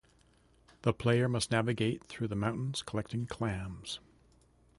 The player must navigate through the mountains, collecting clams.